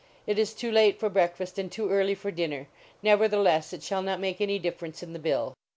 It is too late for breakfast and too early for dinner. Nevertheless, it shall not make any difference in the bill."